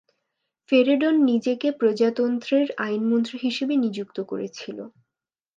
ফেরেডন নিজেকে প্রজাতন্ত্রের আইনমন্ত্রী হিসেবে নিযুক্ত করেছিল।